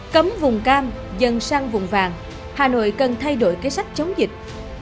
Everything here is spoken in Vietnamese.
cấm vùng cam dần sang vùng vàng hà nội cần thay đổi kế sách chống dịch